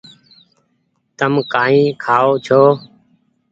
تم ڪآئي کآئو ڇو۔